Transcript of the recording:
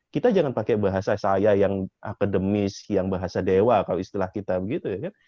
kita jangan pakai bahasa saya yang akademis yang bahasa dewa kalau istilah kita begitu ya